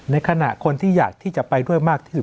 ในขณะคนที่อยากที่จะไปด้วยมากที่สุด